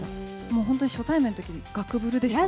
もう本当に初対面のとき、ガクブやだー。